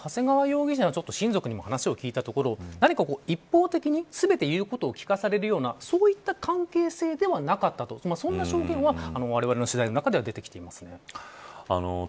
さらには、長谷川容疑者の親族の話を聞いたところ一方的に、全て言うことをきかされるようなそういった関係値ではなかったという証言はわれわれの取材からも出てきています。